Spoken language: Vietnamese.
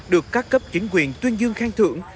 được các cấp chính quyền tuyên dương khang thưởng